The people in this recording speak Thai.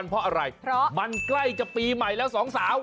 เพราะวันใกล้จะปีใหม่แล้วสองสาว